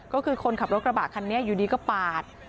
ก็คือคนขับรถกระบะคันนี้อยู่ดีก็ปาด